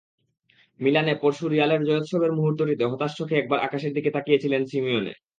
মিলানে পরশু রিয়ালের জয়োৎসবের মুহূর্তটিতে হতাশ চোখে একবার আকাশের দিকে তাকিয়েছিলেন সিমিওনে।